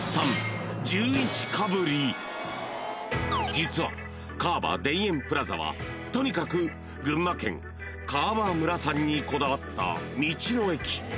［実は川場田園プラザはとにかく群馬県川場村産にこだわった道の駅］